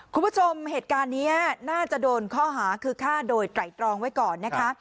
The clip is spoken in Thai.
คุณผู้ชมเหตุการณ์นี้น่าจะโดนข้อหาคือฆ่าโดยไตรตรองไว้ก่อนนะคะ